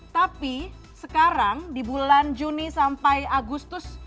tapi sekarang di bulan juni sampai agustus